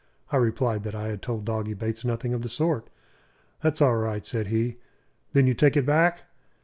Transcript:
I replied that I had told Doggy Bates nothing of the sort. "That's all right," said he. "Then you take it back?"